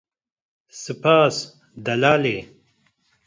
Spas, delalê.